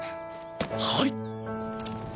はい。